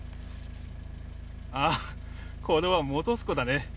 ああこれは本栖湖だね。